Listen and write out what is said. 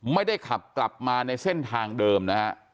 ไม่ได้ขับกลับมาในเส้นทางเดิมนะฮะ